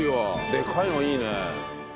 でかいのいいね。